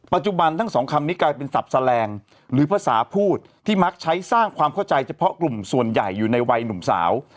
ทั้งสองคำนี้กลายเป็นศัพทลงหรือภาษาพูดที่มักใช้สร้างความเข้าใจเฉพาะกลุ่มส่วนใหญ่อยู่ในวัยหนุ่มสาว